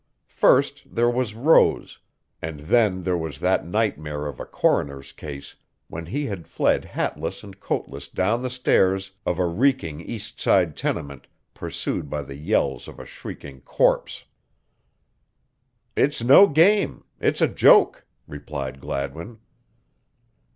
First there was Rose, and then there was that nightmare of a Coroner's case, when he had fled hatless and coatless down the stairs of a reeking east side tenement, pursued by the yells of a shrieking "corpse." "It's no game it's a joke," replied Gladwin.